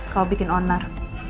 kalau bikin onar